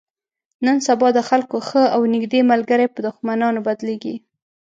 نن سبا د خلکو ښه او نیږدې ملګري په دښمنانو بدلېږي.